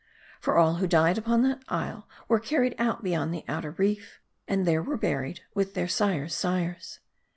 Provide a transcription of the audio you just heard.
For all who died upon that isle were carried out beyond the outer reef, and there were buried with their sires' sires.